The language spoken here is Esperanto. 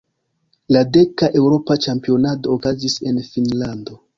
La deka eŭropa ĉampionado okazis en Finnlando.